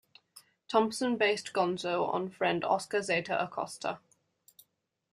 Thompson based Gonzo on friend Oscar Zeta Acosta.